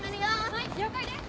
はい了解です。